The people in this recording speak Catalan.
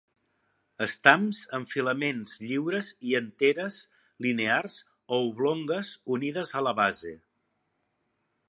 Estams amb filaments lliures i anteres linears o oblongues unides a la base.